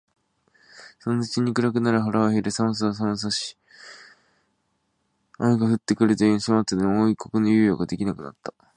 そのうちに暗くなる、腹は減る、寒さは寒し、雨が降って来るという始末でもう一刻の猶予が出来なくなった